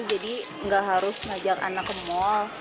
jadi gak harus ngajak anak ke mall